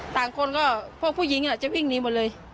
ต่างคนก็พวกผู้หญิงจะวิ่งหนีหมดเลย